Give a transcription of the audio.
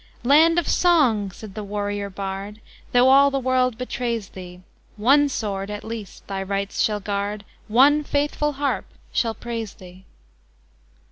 "Land of song!" said the warrior bard, "Tho' all the world betrays thee, One sword, at least, thy rights shall guard, One faithful harp shall praise thee!"